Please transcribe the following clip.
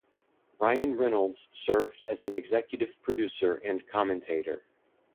Ryan Reynolds served as an executive producer and commentator.